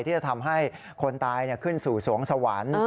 ที่จะทำให้คนตายขึ้นสู่สวงสวรรค์